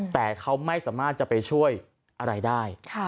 แต่เขาไม่สามารถจะไปช่วยอะไรได้